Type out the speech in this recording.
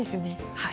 はい。